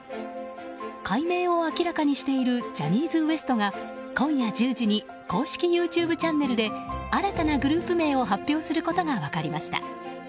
改名を明らかにしているジャニーズＷＥＳＴが今夜１０時に公式ＹｏｕＴｕｂｅチャンネルで新たなグループ名を発表することが分かりました。